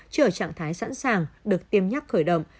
trở ở trạng thái sẵn sàng được tiêm nhắc khởi động